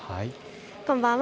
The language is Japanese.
こんばんは。